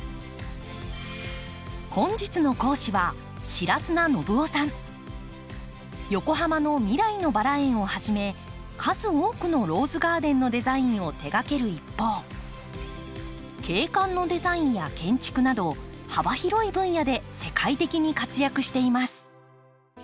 本日の講師は横浜の未来のバラ園をはじめ数多くのローズガーデンのデザインを手がける一方景観のデザインや建築など幅広い分野で世界的に活躍しています。